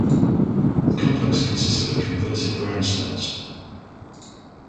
The complex consisted of converted brownstones.